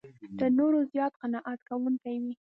تر نورو زیات قناعت کوونکی وي.